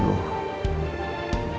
itu yang pertama